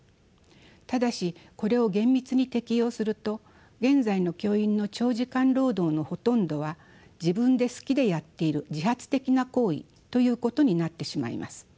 ただしこれを厳密に適用すると現在の教員の長時間労働のほとんどは自分で好きでやっている自発的な行為ということになってしまいます。